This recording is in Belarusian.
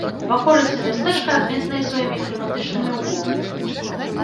Ваколіцы мястэчка адметныя сваімі кліматычнымі ўмовамі.